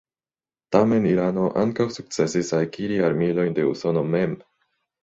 Tamen, Irano ankaŭ sukcesis akiri armilojn de Usono mem.